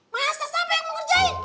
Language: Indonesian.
masa siapa yang ngerjain